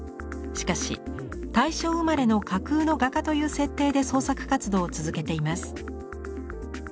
しかし「大正生まれの架空の画家」という設定で創作活動を続けています。